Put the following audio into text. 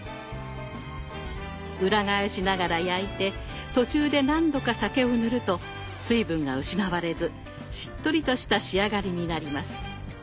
裏返しながら焼いて途中で何度か酒を塗ると水分が失われずしっとりとした仕上がりになります。